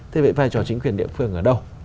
thế vậy vai trò chính quyền địa phương ở đâu